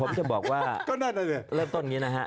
ผมจะบอกว่าเริ่มต้นอย่างนี้นะฮะ